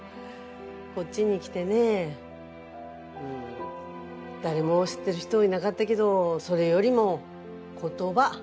こっちに来てね誰も知ってる人いなかったけどそれよりも言葉。